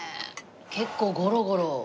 結構ゴロゴロ。